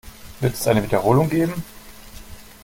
Wird es eine Wiederholung geben?